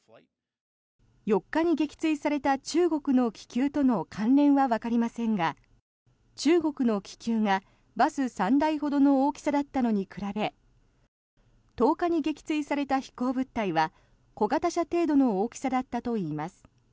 ４日に撃墜された中国の気球との関連はわかりませんが中国の気球が、バス３台ほどの大きさだったのに比べ１０日に撃墜された飛行物体は小型車程度の大きさだったといいます。